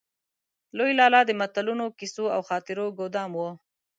لوی لالا د متلونو، کيسو او خاطرو ګودام و.